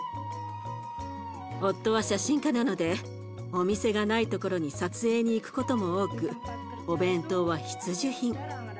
夫は写真家なのでお店がないところに撮影に行くことも多くお弁当は必需品。